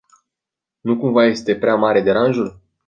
Nu cumva este prea mare deranjul?